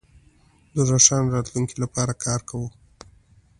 د روښانه راتلونکي لپاره کار کوو.